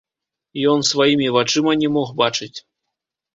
Ён сваімі вачыма не мог бачыць.